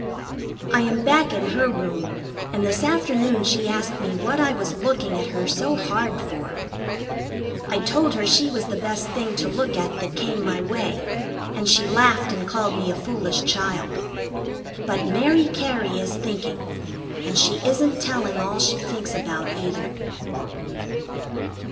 I am back in her room, and this afternoon she asked me what I was looking at her so hard for. I told her she was the best thing to look at that came my way, and she laughed and called me a foolish child. But Mary Cary is thinking, and she isn't telling all she thinks about, either.